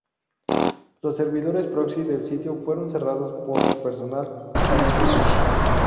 Los servidores proxy del sitio fueron cerrados por su personal, al mismo tiempo.